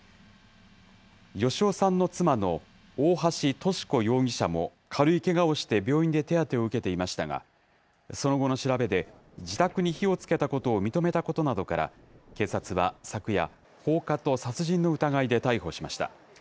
芳男さんの妻の大橋とし子容疑者も軽いけがをして病院で手当てを受けていましたが、その後の調べで、自宅に火をつけたことを認めたことなどから、警察は昨夜、放火と殺人の疑いで逮捕しました。